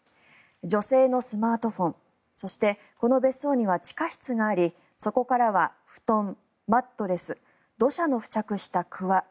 女性のスマートフォンそして、この別荘には地下室がありそこからは布団、マットレス土砂の付着したくわ